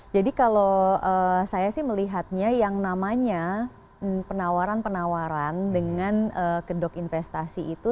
jadi kalau saya sih melihatnya yang namanya penawaran penawaran dengan kedok investasi itu